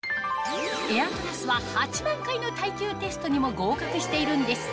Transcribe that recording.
エアトラスは８万回の耐久テストにも合格しているんです